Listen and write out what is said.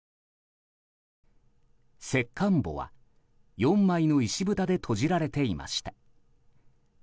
石棺墓は４枚の石ぶたで閉じられていました。